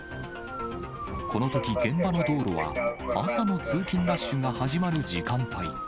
このとき、現場の道路は朝の通勤ラッシュが始まる時間帯。